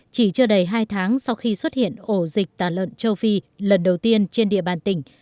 chỉ chưa đầy hai tháng sau khi xuất hiện ổ dịch tà lợn châu phi lần đầu tiên trên địa bàn tỉnh